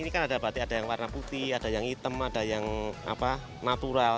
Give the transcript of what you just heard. ini kan ada batik ada yang warna putih ada yang hitam ada yang natural